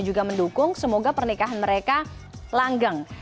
juga mendukung semoga pernikahan mereka langgeng